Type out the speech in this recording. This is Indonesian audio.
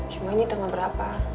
cuma ini tengah berapa